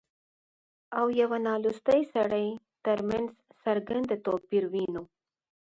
او يوه نالوستي سړي ترمنځ څرګند توپير وينو